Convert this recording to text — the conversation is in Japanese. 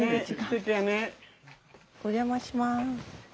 お邪魔します。